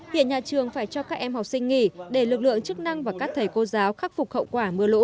hiện nhà trường phải cho các em học sinh nghỉ để lực lượng chức năng và các thầy cô giáo khắc phục hậu quả mưa lũ